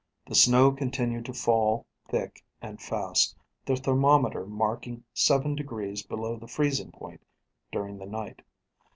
The snow continued to fall thick and fast, the thermometer marking 7 degrees below the freezing point during the night.